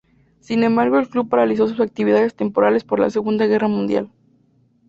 Sin embargo el club paralizó sus actividades temporalmente por la Segunda Guerra Mundial.